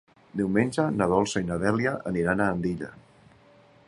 Diumenge na Dolça i na Dèlia aniran a Andilla.